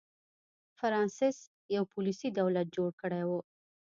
فرانسس یو پولیسي دولت جوړ کړی و.